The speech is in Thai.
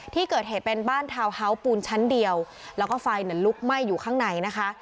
ที่เกิดเหตุเป็นบ้านทาวน์เฮาส์ปูนชั้นเดียวแล้วก็ไฟลุกไหม้อยู่ข้างในนะคะ